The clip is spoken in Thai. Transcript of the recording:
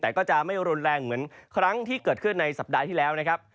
แต่ก็จะไม่รุนแรงเหมือนครั้งที่เกิดขึ้นในสัปดาห์ที่แล้วนะครับ